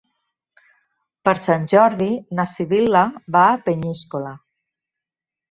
Per Sant Jordi na Sibil·la va a Peníscola.